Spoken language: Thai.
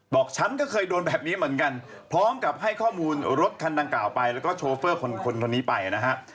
ฉันก็เคยโดนแบบนี้เหมือนกันพร้อมกับให้ข้อมูลรถคันดังกล่าวไปแล้วก็โชเฟอร์คนคนนี้ไปนะฮะ